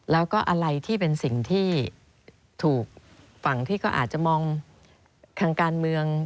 แล้วก็อะไรที่เป็นสิ่งที่ถูกฝั่งที่ก็อาจจะมองทางการเมือง